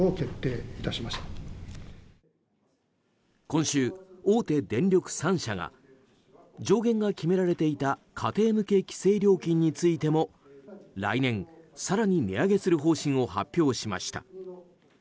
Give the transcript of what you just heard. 今週、大手電力３社が上限が決められていた家庭向け規制料金についても来年、更に値上げする方針を発表しました。